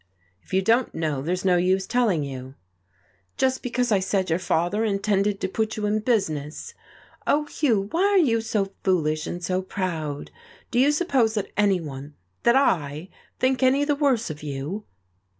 "If you don't know, there's no use telling you." "Just because I said your father intended to put you in business! Oh, Hugh, why are you so foolish and so proud? Do you suppose that anyone that I think any the worse of you?"